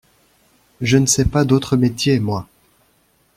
Je ne sais pas d'autre métier, moi!